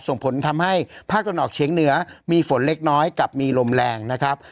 ส่งผลทำให้ภาคตะวันออกเฉียงเหนือมีฝนเล็กน้อยกับมีลมแรงนะครับ